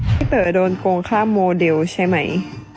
เต๋อโดนโกงค่าโมเดลใช่ไหม